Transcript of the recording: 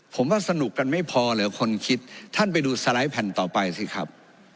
ผมว่าสนุกกันไม่พอเหรอคนคิดท่านไปดูสไลด์แผ่นต่อไปสิครับ